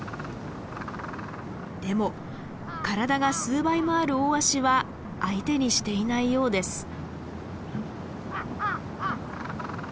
でも体が数倍もあるオオワシは相手にしていないようです。